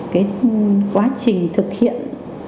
cái quá trình thực hiện